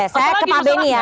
saya ke pak beni ya